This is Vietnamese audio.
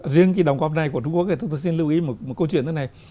riêng cái đồng góp này của trung quốc thì tôi xin lưu ý một câu chuyện thế này